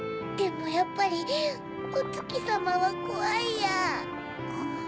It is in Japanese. でもやっぱりおつきさまはこわいや。